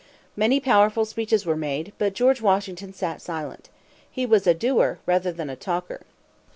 Many powerful speeches were made, but George Washington sat silent. He was a doer rather than a talker.